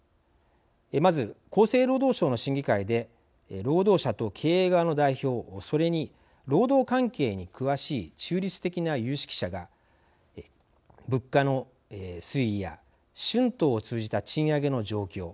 まず、厚生労働省の審議会で労働者と経営側の代表それに、労働関係に詳しい中立的な有識者が物価の推移や春闘を通じた賃上げの状況